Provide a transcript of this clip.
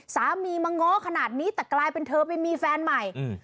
สามีมาง้อขนาดนี้แต่กลายเป็นเธอไปมีแฟนใหม่อืม